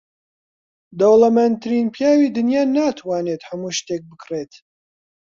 دەوڵەمەندترین پیاوی دنیا ناتوانێت هەموو شتێک بکڕێت.